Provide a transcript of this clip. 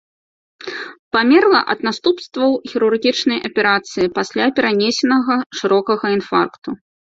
Памерла ад наступстваў хірургічнай аперацыі пасля перанесенага шырокага інфаркту.